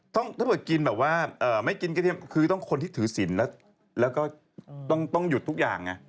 ถ้าเกิดกินแบบว่าไม่กินกระเทียมคือต้องคนที่ถือศิลป์แล้วก็ต้องหยุดทุกอย่างไง